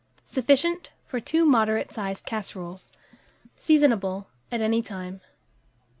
Sufficient for 2 moderate sized casseroles. Seasonable at any time.